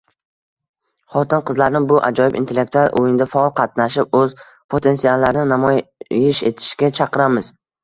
Xotin-qizlarni bu ajoyib intellektual oʻyinda faol qatnashib, oʻz potensiallarini namoyish etishga chaqiramiz.